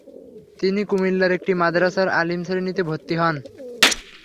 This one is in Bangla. তিনি কুমিল্লার একটি মাদ্রাসার আলিম শ্রেণীতে ভর্তি হন।